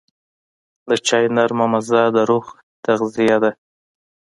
د چای نرمه مزه د روح تغذیه ده.